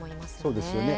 そうですよね。